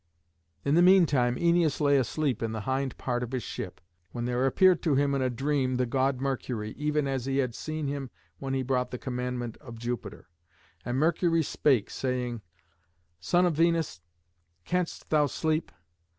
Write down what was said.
In the mean time Æneas lay asleep in the hind part of his ship, when there appeared to him in a dream the god Mercury, even as he had seen him when he brought the commandment of Jupiter. And Mercury spake, saying, "Son of Venus, canst thou sleep?